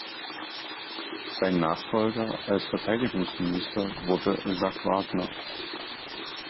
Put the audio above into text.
Sein Nachfolger als Verteidigungsminister wurde Jaques Wagner.